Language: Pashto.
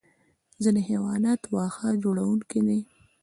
ځینې حیوانات واښه خوړونکي دي